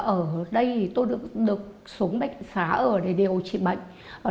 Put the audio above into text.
ở đây tôi được xuống bệnh xá để điều trị bệnh